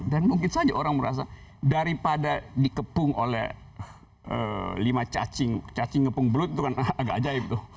dan mungkin saja orang merasa daripada dikepung oleh lima cacing cacing ngepung belut itu kan agak ajaib